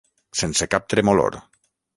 Sense cap tremolor.